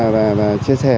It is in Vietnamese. và chia sẻ